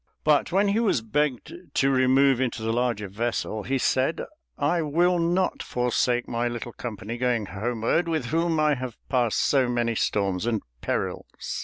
But when he was begged to remove into the larger vessel, he said, "I will not forsake my little company going homeward with whom I have passed so many storms and perils."